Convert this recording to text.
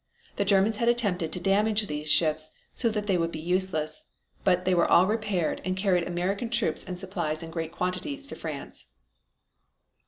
The Germans had attempted to damage these ships so that they would be useless, but they were all repaired, and carried American troops and supplies in great quantities to France.